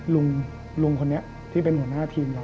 ลุงลุงคนนี้ที่เป็นหัวหน้าทีมเรา